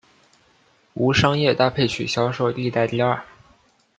无商业搭配曲销售历代第二。